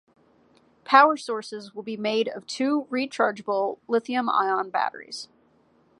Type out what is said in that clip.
Power sources will be made of two rechargeable Li-ion batteries.